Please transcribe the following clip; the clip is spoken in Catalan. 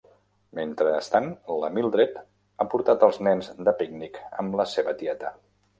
Mentrestant, la Mildred ha portat als nens de pícnic amb la seva tieta.